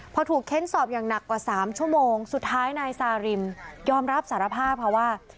พอถูกเค้นสอบอย่างหนักกว่า๓ชั่วโมงสุดท้ายนายซาริมยอมรับสารภาพค่ะว่า